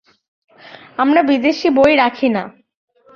আমরা বিদেশি বই রাখি না।